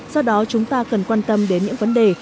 do đó chúng ta cần quan tâm đến những vấn đề